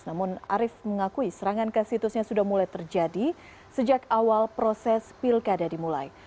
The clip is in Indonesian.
namun arief mengakui serangan ke situsnya sudah mulai terjadi sejak awal proses pilkada dimulai